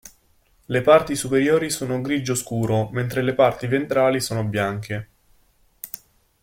Le parti superiori sono grigio scuro, mentre le parti ventrali sono bianche.